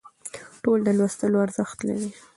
ټول د لوستلو ارزښت لري